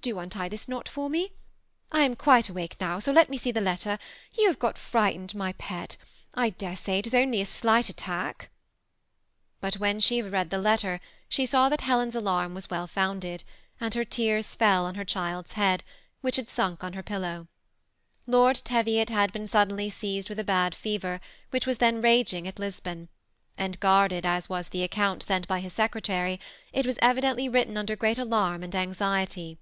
Do untie this knot for me. I am quite awake now, so THE SEMI ATTACHED COUPLE. 298 let me see the letter ; you have got frightened, my pet ; I dare say it is only a slight attack/' But when she had read the letter, she saw that Helen's alarm was well founded, and her tears fell on her child's head, which had sunk on her pillow. Lord Teviot had been suddenly seized with a bad fever which was then raging at Lisbon ; and guarded as was the account sent by his secretary, it was evidently written under great alarm and anxiety.